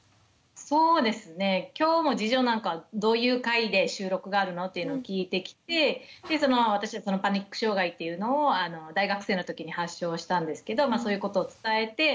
そうですね今日も次女なんかどういう回で収録があるの？っていうのを聞いてきてでその私はパニック障害っていうのを大学生の時に発症したんですけどそういうことを伝えて。